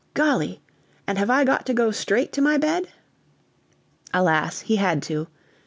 "Golly! and have I got to go straight to my bed?" Alas, he had to.